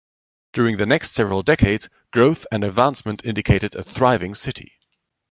During the next several decades, growth and advancement indicated a thriving city.